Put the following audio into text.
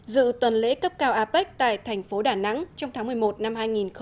dự tuần lễ cấp cao apec tại thành phố đà nẵng trong tháng một mươi một năm hai nghìn hai mươi